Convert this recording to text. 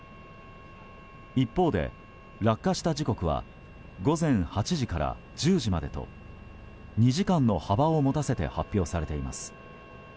一方で落下した時刻は午前８時から１０時までと２時間の幅を持たせて発表されています。